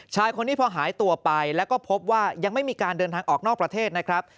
ชายคนนี้พอหายตัวไปแล้วก็พบว่ายังไม่มีการเดินทางออกนอกประเทศนะครับ